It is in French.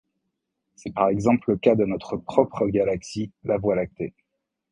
C’est par exemple le cas de notre propre galaxie, la Voie lactée.